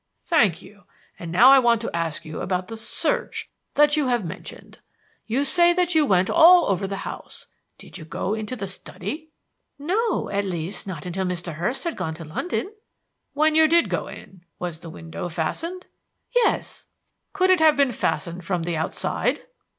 "Thank you. And now I want to ask you about the search that you have mentioned. You say that you went all over the house. Did you go into the study?" "No at least, not until Mr. Hurst had gone to London." "When you did go in, was the window fastened?" "Yes." "Could it have been fastened from the outside?"